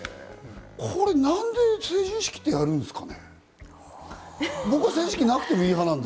これ何で成人式ってやるんですかね？